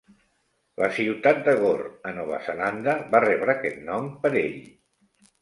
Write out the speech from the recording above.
La ciutat de Gore, a Nova Zelanda, va rebre aquest nom per ell.